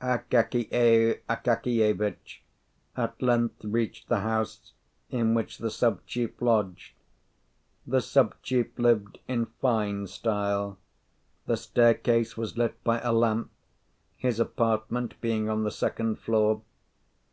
Akakiy Akakievitch at length reached the house in which the sub chief lodged. The sub chief lived in fine style: the staircase was lit by a lamp; his apartment being on the second floor.